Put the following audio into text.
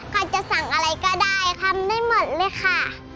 ใครจะสั่งอะไรก็ได้ทำได้หมดเลยค่ะ